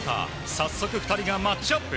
早速、２人がマッチアップ。